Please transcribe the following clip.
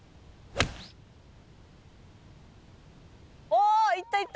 お行った行った！